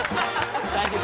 大丈夫。